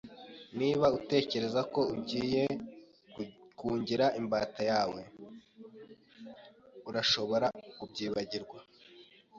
Niba utekereza ko ugiye kungira imbata yawe, urashobora kubyibagirwa.